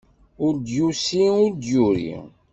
Ur d-yusi ur d-yuri.